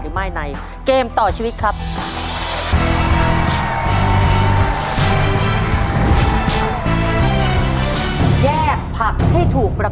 เพราะฉะนั้นช่วงหน้ามาเอาใจช่วยและลุ้นไปพร้อมกันนะครับ